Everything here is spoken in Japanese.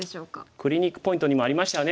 クリニックポイントにもありましたよね。